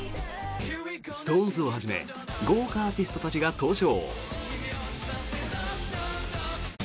ＳｉｘＴＯＮＥＳをはじめ豪華アーティストたちが登場。